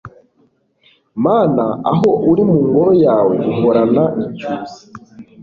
mana, aho uri mu ngoro yawe, uhorana icyusa